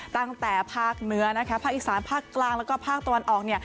ตั้งแต่ภาคเหนือนะคะภาคอีสานภาคกลางแล้วก็ภาคตะวันออกเนี่ย